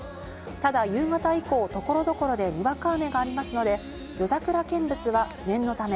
ただ夕方以降、所々でにわか雨がありますので夜桜見物は念のため